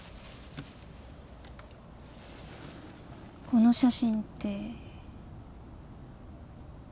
この写真って。